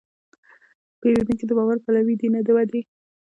پیرودونکی د باور پلوي دی، نه د وعدې.